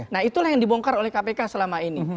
nah itulah yang dibongkar oleh kpk selama ini